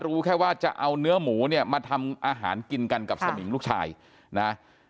รู้แค่ว่าจะเอาเนื้อหมูเนี่ยมาทำอาหารกินกันกับสมิงลูกชายนะ